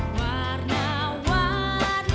iya yaudah gue duluan ya